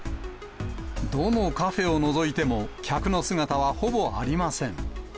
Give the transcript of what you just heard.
どのカフェをのぞいても、客の姿はほぼありません。